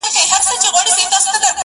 د غلا په جرم به باچاصاحب محترم نيسې,